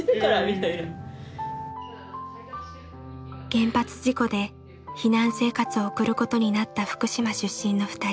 原発事故で避難生活を送ることになった福島出身の２人。